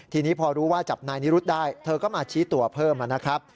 ทีนี้พอรู้ว่าจับนายนิรุธได้เธอก็มาชี้ตัวเพิ่มนะครับ